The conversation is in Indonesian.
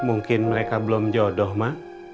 mungkin mereka belum jodoh mah